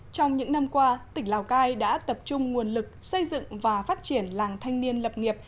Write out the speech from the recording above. trong những năm qua tỉnh lào cai đã tập trung nguồn lực xây dựng và phát triển làng thanh niên lập nghiệp